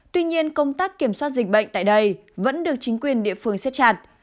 tuy nhiên công tác kiểm soát dịch bệnh tại đây vẫn được chính quyền địa phương xếp chặt